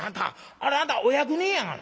あれあんたお役人やがな」。